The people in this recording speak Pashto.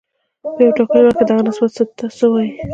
په یو ټاکلي وخت کې دغه نسبت ته څه وايي